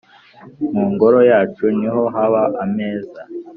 mu ngoro yacu niho haba ameza